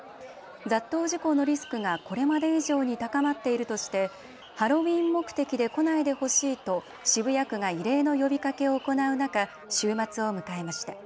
雑踏事故のリスクがこれまで以上に高まっているとしてハロウィーン目的で来ないでほしいと渋谷区が異例の呼びかけを行う中、週末を迎えました。